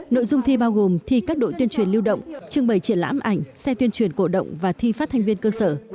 nội dung thi bao gồm thi các đội tuyên truyền lưu động trưng bày triển lãm ảnh xe tuyên truyền cổ động và thi phát thanh viên cơ sở